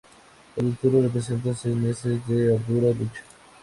Cada turno representa seis meses de ardua lucha.